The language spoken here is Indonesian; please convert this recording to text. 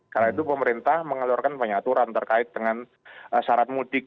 karena itu pemerintah mengeluarkan penyaturan terkait dengan syarat mudik